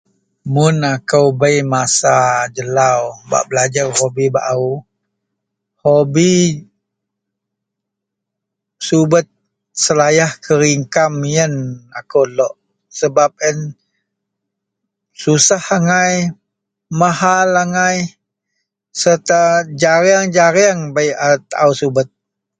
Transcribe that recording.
mun akou bei masa jelau bak belajer hobi baau, hobi subet selayah kerikam ien akou lok sebab yien susah agai, mahal agai serta jarang-jarang bei a taau subet